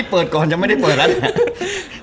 คิดไม่ทันนะสิ